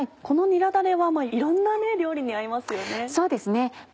このにらだれはいろんな料理に合いますよね。